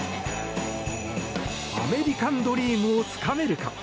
アメリカンドリームをつかめるか。